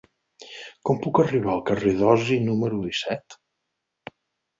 Com puc arribar al carrer d'Osi número disset?